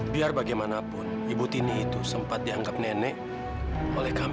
biar bagaimanapun ibu tini itu sempat dianggap nenek oleh kami